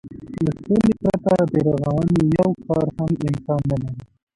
له سولې پرته د رغونې يو کار امکان نه لري.